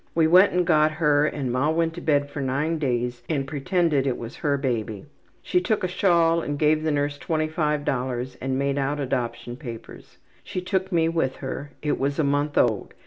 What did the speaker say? We went and got her and ma went to bed for nine days and pretended it was her baby. She took a shawl and gave the nurse $25 and made out adoption papers. She took me with her. It was a month old.